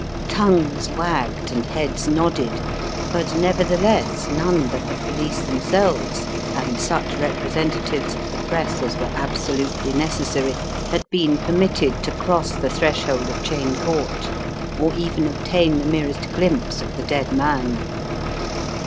Tongues wagged and heads nodded, but neverthe less, none but the police themselves, and such representatives of the press as were absolutely necessary, had been permitted to cross the threshold of Cheyne Court, or even obtain the merest glimpse of the dead man.